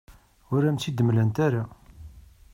Ur am-tt-id-mlant ara.